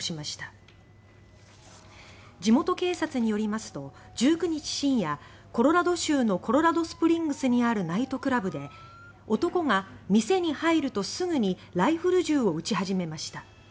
地元警察によりますと１９日深夜、コロラド州のコロラドスプリングスにあるナイトクラブで男が店に入るとすぐにライフル銃を撃ち始めました。